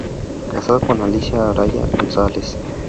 Casado con "Alicia Araya González".